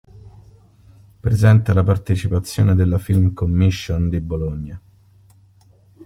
Presenta la partecipazione della film commission di Bologna.